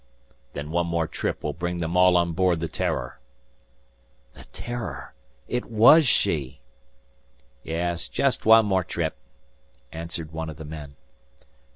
"Then one more trip will bring them all on board the 'Terror.'" The "Terror!" It WAS she! "Yes; just one more trip," answered one of the men.